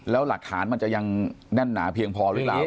แล้วหลักฐานมันจะยังแน่นหนาเพียงพอหรือเปล่า